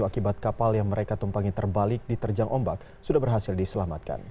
akibat kapal yang mereka tumpangi terbalik diterjang ombak sudah berhasil diselamatkan